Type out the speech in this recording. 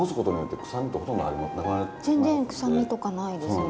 全然臭みとかないですね。